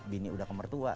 bini udah kemertua